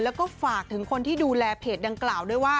แล้วก็ฝากถึงคนที่ดูแลเพจดังกล่าวด้วยว่า